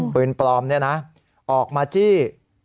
ปืนปลอมนี่นะออกมาจี้